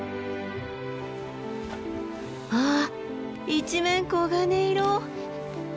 わあ一面黄金色！